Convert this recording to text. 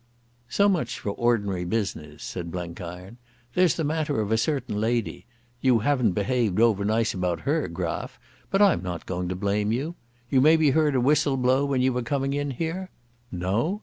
"So much for ordinary business," said Blenkiron. "There's the matter of a certain lady. You haven't behaved over nice about her, Graf, but I'm not going to blame you. You maybe heard a whistle blow when you were coming in here? No!